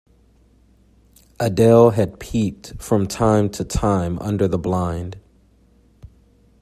Adele had peeped from time to time under the blind.